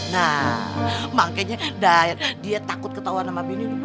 nah makanya dia takut ketawa sama bininya